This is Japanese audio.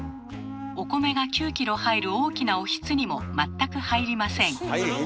お米が９キロ入る大きなおひつにも全く入りません。